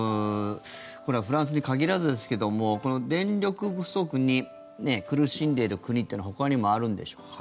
これはフランスに限らずですけども電力不足に苦しんでいる国ってのはほかにもあるんでしょうか？